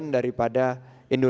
putih itu adalah susu